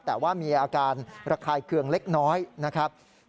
แต่ว่ามีอาการระคายเคืองเล็กน้อยนะครับ